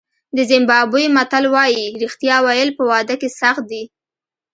د زیمبابوې متل وایي رښتیا ویل په واده کې سخت دي.